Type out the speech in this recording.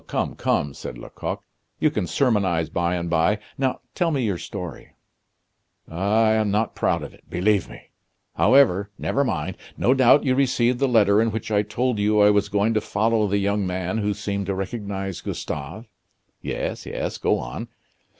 "Come, come," said Lecoq, "you can sermonize by and by. Now tell me your story." "Ah! I am not proud of it, believe me. However, never mind. No doubt you received the letter in which I told you I was going to follow the young men who seemed to recognize Gustave?" "Yes, yes go on!"